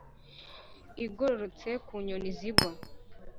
igororotse, ku nyoni zigwa.